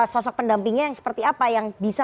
sosok pendampingnya yang seperti apa yang bisa